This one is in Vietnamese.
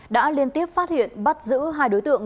đã liên tiếp phát hiện bắt giữ hai đối tượng